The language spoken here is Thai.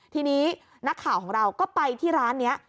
ทีนี้นักข่าวของเราก็ไปที่ร้านนี้